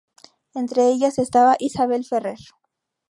Entre ellas estaba Isabel Ferrer.